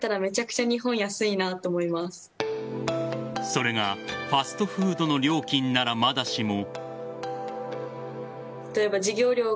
それがファストフードの料金ならまだしも。